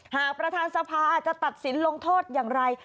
หากประธานสภาอาจจะตัดสินลงโทษอย่างไร